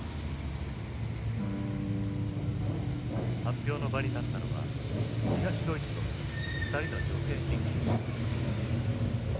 発表の場に立ったのは東ドイツの２人の女性研究者。